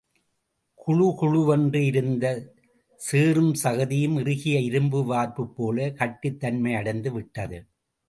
குழகுழவென்று இருந்த சேறுஞ்சகதியும் இறுகிய இரும்பு வார்ப்புப்போல கட்டித் தன்மையடைந்து விட்டது.